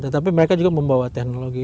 tetapi mereka juga membawa teknologi